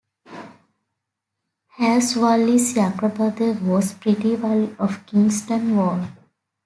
Hasse Walli's younger brother was Petri Walli of Kingston Wall.